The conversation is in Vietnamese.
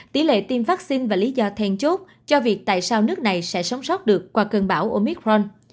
tỷ lệ tiêm vaccine và lý do then chốt cho việc tại sao nước này sẽ sống sót được qua cơn bão omicron